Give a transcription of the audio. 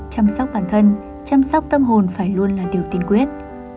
chăm sóc bản thân chăm sóc tâm hồn phải luôn là điều tiên quyết